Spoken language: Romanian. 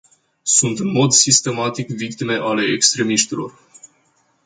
Sunt în mod sistematic victime ale extremiștilor.